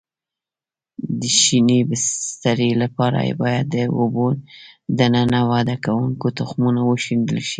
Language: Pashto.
د شینې بسترې لپاره باید د اوبو دننه وده کوونکو تخمونه وشیندل شي.